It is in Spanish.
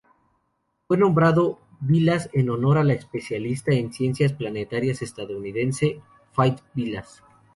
Fue nombrado Vilas en honor a la especialista en ciencias planetarias estadounidense Faith Vilas.